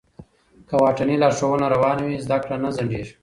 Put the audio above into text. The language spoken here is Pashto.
که واټني لارښوونه روانه وي، زده کړه نه ځنډېږي.